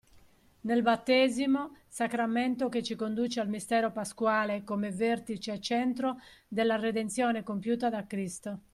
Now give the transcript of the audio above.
Nel battesimo, sacramento che ci conduce al mistero pasquale come vertice e centro della redenzione compiuta da Cristo.